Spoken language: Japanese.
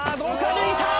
抜いた！